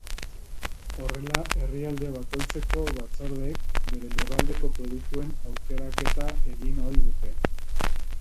Horrela, herrialde bakoitzeko batzordeek bere lurraldeko produktuen aukeraketa egin ohi dute.